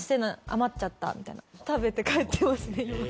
余っちゃったみたいなのを食べて帰ってますね